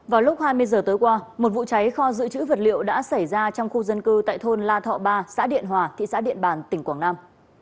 vào lúc hai mươi giờ tối qua một vụ cháy kho dự trữ vật liệu đã xảy ra trong khu dân cư tại thôn la thọ ba xã điện hòa thị xã điện bàn tỉnh quảng nam